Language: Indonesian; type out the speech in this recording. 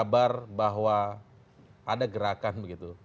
kabar bahwa ada gerakan begitu